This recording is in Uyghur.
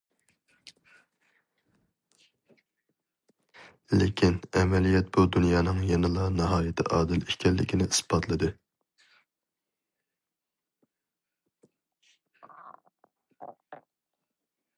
لېكىن ئەمەلىيەت بۇ دۇنيانىڭ يەنىلا ناھايىتى ئادىل ئىكەنلىكىنى ئىسپاتلىدى.